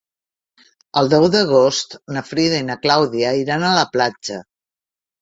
El deu d'agost na Frida i na Clàudia iran a la platja.